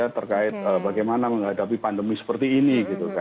terkait bagaimana menghadapi pandemi seperti ini